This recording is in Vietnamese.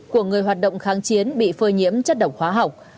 của người hoạt động kháng chiến bị phơi nhiễm chất độc hóa học